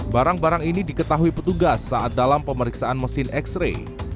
barang barang ini diketahui petugas saat dalam pemeriksaan mesin x ray